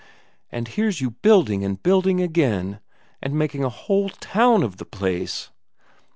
And here's you building and building again, and making a whole town of the place.